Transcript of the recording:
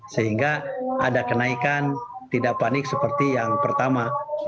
sehingga ada kenaikan tidak panik seperti yang pertama